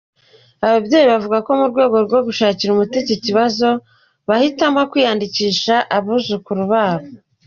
Ababyeyi bavuga ko mu rwego rwo gushakira umuti iki kibazo, bahitamo kwiyandikishaho abuzukuru babo.